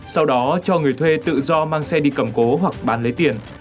sau đó cho người thuê tự do mang xe đi cầm cố hoặc bán lấy tiền